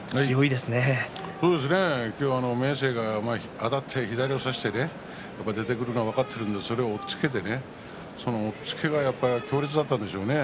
今日は明生はあたって左を差して出てくるのは分かっていたのでそれを押っつけてその押っつけが強烈だったんでしょうね。